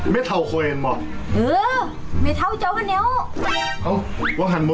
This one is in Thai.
ไม่หย่ำเนอะฮะ